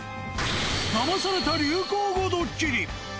ダマされた流行語ドッキリ。